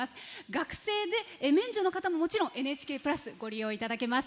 学生で免除の方ももちろん「ＮＨＫプラス」ご利用いただけます。